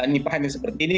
nipahannya seperti ini